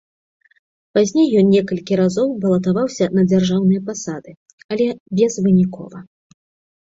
Пазней ён некалькі разоў балатаваўся на дзяржаўныя пасады, але безвынікова.